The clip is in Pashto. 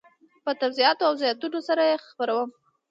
په توضیحاتو او زیاتونو سره یې خپروم.